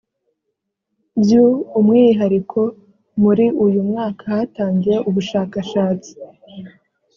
byu umwihariko muri uyu mwaka hatangiye ubushakashatsi